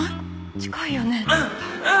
近いよね？